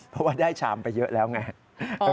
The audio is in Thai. เพราะว่าได้ชามไปเยอะแล้วไง